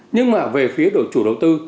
nhưng mà về phía chủ đầu tư